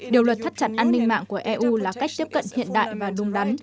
điều luật thắt chặt an ninh mạng của eu là cách tiếp cận hiện đại và đúng đắn